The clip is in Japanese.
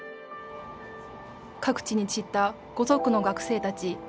各地に散った五族の学生たち